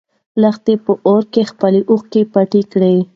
لښتې په اور کې خپلې اوښکې پټې کړې.